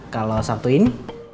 kalau sabtu ini